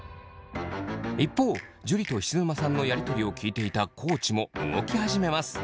一方樹と菱沼さんのやり取りを聞いていた地も動き始めます。